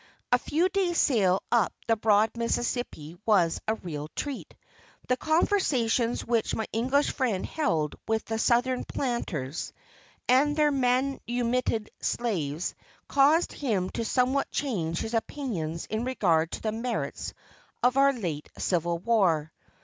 A few days sail up the broad Mississippi was a real treat. The conversations which my English friend held with the Southern planters, and their manumitted slaves, caused him to somewhat change his opinions in regard to the merits of our late civil war.